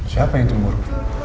siapa yang cemburu